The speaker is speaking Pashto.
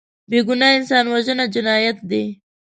بېګناه انسان وژنه جنایت دی